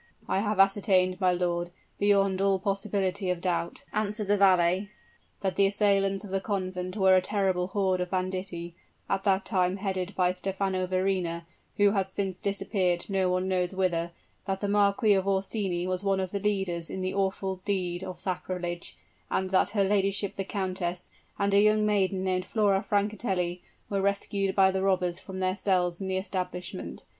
"I have ascertained, my lord, beyond all possibility of doubt," answered the valet, "that the assailants of the convent were a terrible horde of banditti, at that time headed by Stephano Verrina, who has since disappeared no one knows whither; that the Marquis of Orsini was one of the leaders in the awful deed of sacrilege, and that her ladyship the countess, and a young maiden named Flora Francatelli, were rescued by the robbers from their cells in the establishment.